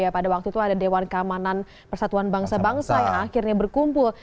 pada waktu itu ada dewan keamanan persatuan bangsa bangsa yang akhirnya berkumpul